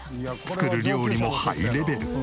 作る料理もハイレベル。